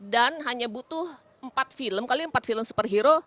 dan hanya butuh empat film kalian empat film superhero